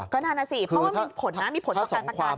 ก็นั่นน่ะสิเพราะว่ามีผลนะมีผลต่อการประกัน